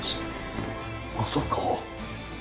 まさか！？